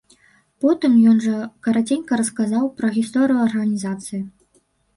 Потым ён жа караценька расказаў пра гісторыю арганізацыі.